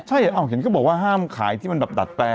ใช่กะท่อมเขียนว่าห้ามขายที่มันแบบดัดแปน